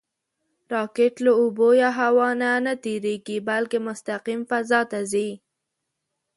راکټ له اوبو یا هوا نه نهتېرېږي، بلکې مستقیم فضا ته ځي